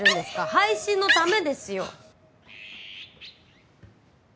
配信のためですよ